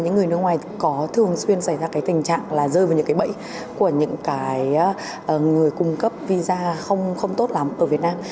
những người nước ngoài có thường xuyên xảy ra cái tình trạng là rơi vào những cái bẫy của những cái người cung cấp visa không tốt lắm ở việt nam